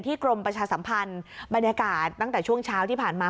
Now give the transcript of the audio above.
กรมประชาสัมพันธ์บรรยากาศตั้งแต่ช่วงเช้าที่ผ่านมา